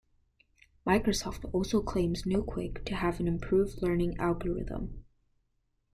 Microsoft also claims New-Quick to have an improved learning algorithm.